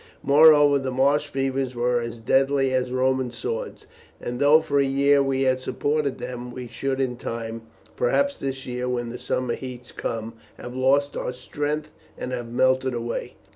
Moreover, the marsh fevers were as deadly as Roman swords, and though for a year we have supported them, we should in time, perhaps this year when the summer heats come, have lost our strength and have melted away.